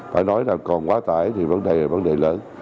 phải nói là còn quá tải thì vấn đề vấn đề lớn